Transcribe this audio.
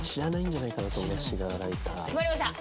決まりました。